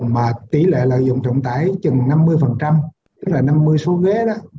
mà tỷ lệ lợi dụng trọng tải chừng năm mươi tức là năm mươi số ghế đó